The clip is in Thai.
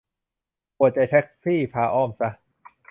ปวดใจแท็กซี่ พาอ้อมซะ